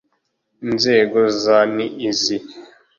Inzego za ni izi